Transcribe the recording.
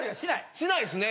しないですね。